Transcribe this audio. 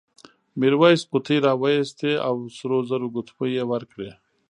میرويس قوطۍ راوایستې او سرو زرو ګوتمۍ یې ورکړې.